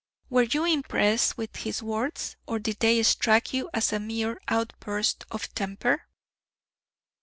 "Were you impressed with his words, or did they strike you as a mere outburst of temper?"